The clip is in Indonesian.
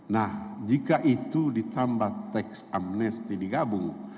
nah jika itu ditambah teks amnesti digabung